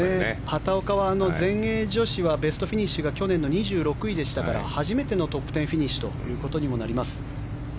畑岡は全英女子はベストフィニッシュが去年の２６位でしたから初めてのトップ１０フィニッシュとなります。